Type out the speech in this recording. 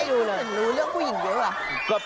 ได้รู้เรื่องผู้หญิงด้วยหรอ